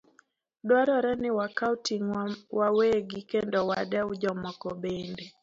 Dwarore ni wakaw ting'wa wawegi, kendo wadew jomoko bende.